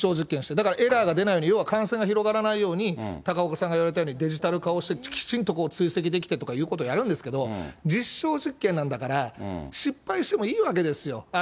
だからエラーが出ないように、要は感染が広がらないように、高岡さんが言われたようにデジタル化して、きちんと追跡できてということをやるんですけど、実証実験なんだから、失敗してもいいわけですよ。